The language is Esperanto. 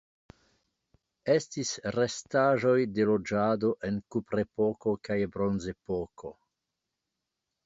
Estis restaĵoj de loĝado en Kuprepoko kaj Bronzepoko.